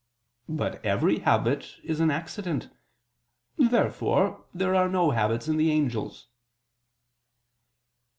But every habit is an accident. Therefore there are no habits in the angels.